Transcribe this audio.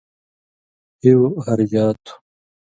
ہیُو ہرژا تُھو۔